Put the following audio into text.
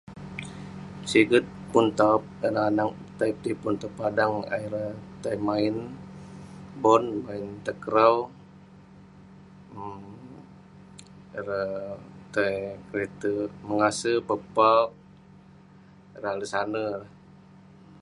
Siget pun taop, ireh anag tai petipun tong padang. Ayuk ireh tai maen bon, maen takraw, um ireh tai keleterk mengase, pepauk ireh ale'ek saner.